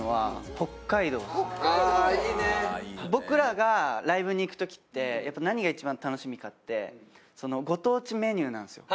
僕らがライブに行く時ってやっぱり何が一番楽しみかってご当地メニューなんですよ。